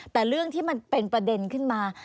แต่เรื่องที่มันเป็นประเด็นขึ้นมา